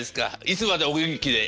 いつまでお元気で。